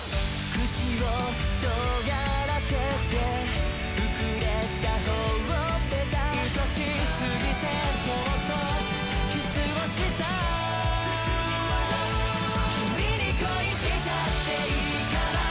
口をとがらせて膨れたほっぺた愛しすぎてそっとキスをしたキミに恋しちゃっていいかな？